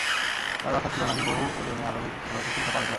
কারো আশা ছিল না যে, বহু ওজনের আরোহীর ঘোড়াটি পরিখা পার হতে পারবে।